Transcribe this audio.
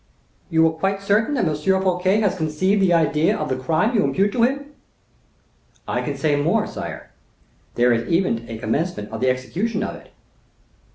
"You are quite certain that M. Fouquet has conceived the idea of the crime you impute to him?" "I can say more, sire; there is even a commencement of the execution of it."